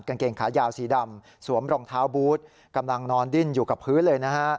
กางเกงขายาวสีดำสวมรองเท้าบูธกำลังนอนดิ้นอยู่กับพื้นเลยนะฮะ